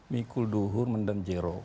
mikul duhur mendeng jero